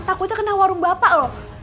takutnya kena warung bapak loh